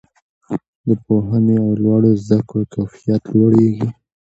د پوهنې او لوړو زده کړو کیفیت لوړیږي.